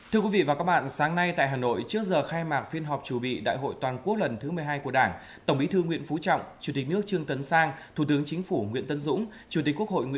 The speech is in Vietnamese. hôm nay trước giờ khai mạc phiên họp chủ bị đại hội toàn quốc lần thứ một mươi hai của đảng